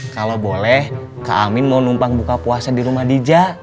kalo boleh kak amin mau numpang buka puasa di rumah diza